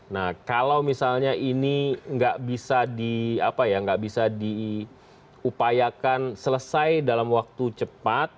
nah kalau misalnya ini nggak bisa diupayakan selesai dalam waktu cepat